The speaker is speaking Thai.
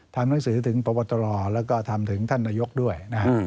ทำหนังสือถึงประวัติศาสตราแล้วก็ทำถึงท่านระยุกต์ด้วยนะฮะ